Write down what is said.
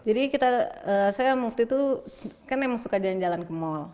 jadi kita saya move team tuh kan memang suka jalan jalan ke mall